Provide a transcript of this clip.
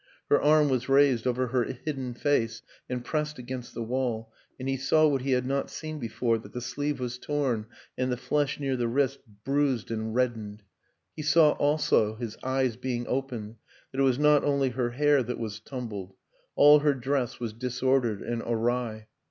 Her arm was raised over her hidden face and pressed against the wall; and he saw what he had not seen be fore, that the sleeve was torn and the flesh near the wrist bruised and reddened. He saw also his eyes being opened that it was not only her hair that was tumbled; all her dress was disor dered and awry.